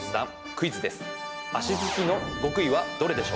クイズです！